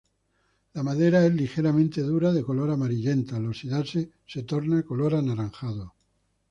La madera es ligeramente dura de color amarillenta, al oxidarse se torna color anaranjado.